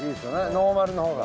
ノーマルのほうが。